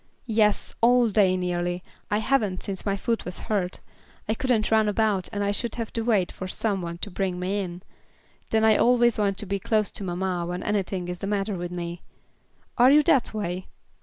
"Yes, all day, nearly; but I haven't since my foot was hurt. I couldn't run about, and I should have to wait for some one to bring me in; then I always want to be close to mamma when anything is the matter with me. Are you that way?"